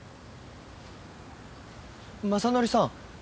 雅紀さん。